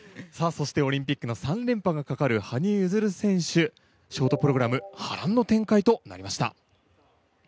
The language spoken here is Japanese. オリンピックの３連覇がかかる羽生結弦選手ショートプログラム波乱の展開となりました。